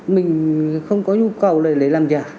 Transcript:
mình không có nhu cầu để làm giả